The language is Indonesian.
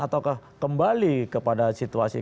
atau kembali kepada situasi